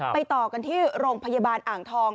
ต่อกันที่โรงพยาบาลอ่างทอง